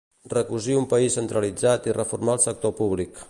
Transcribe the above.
Recosir un país centralitzat i reformar el sector públic.